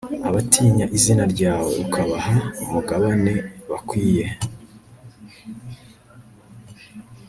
abatinya izina ryawe ukabaha umugabane bakwiye